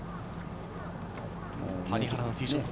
谷原のティーショット。